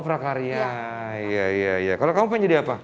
prakarya iya iya kalau kamu pengen jadi apa